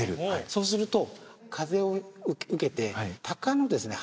そうすると風を受けてタカのですね